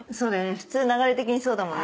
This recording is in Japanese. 普通流れ的にそうだもんね。